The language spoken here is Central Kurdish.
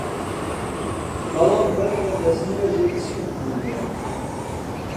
بەڵام ڕەنگە دەستنوێژت سووک بووبێ!